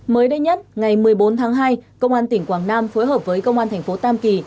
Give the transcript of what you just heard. mới đây nhất ngày một mươi bốn tháng hai công an tỉnh quảng nam phối hợp với công an thành phố tam kỳ